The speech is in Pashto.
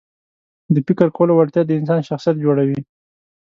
د فکر کولو وړتیا د انسان شخصیت جوړوي.